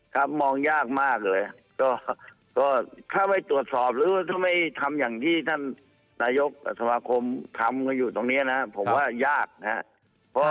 ครับมองยากมากเลยก็ถ้าไม่ตรวจสอบหรือว่าถ้าไม่ทำอย่างที่ท่านนายกกับสมาคมทำกันอยู่ตรงนี้นะผมว่ายากนะครับ